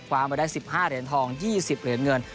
มาได้๑๕เหรียญทอง๒๐เหรียญเงิน